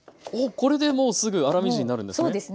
これでもうすぐ粗みじんになるんですね？